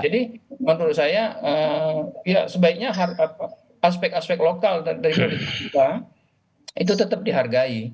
jadi menurut saya ya sebaiknya aspek aspek lokal dari politik kita itu tetap dihargai